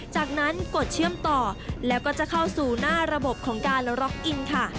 จากนั้นกดเชื่อมต่อแล้วก็จะเข้าสู่หน้าระบบของการล็อกอินค่ะ